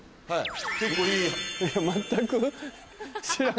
はい。